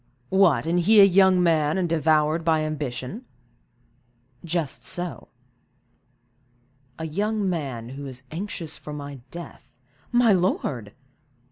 "What, and he a young man, and devoured by ambition?" "Just so." "A young man who is anxious for my death—" "My lord!"